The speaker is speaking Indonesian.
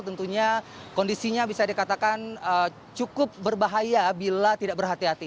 tentunya kondisinya bisa dikatakan cukup berbahaya bila tidak berhati hati